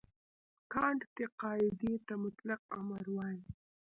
کانټ دې قاعدې ته مطلق امر وايي.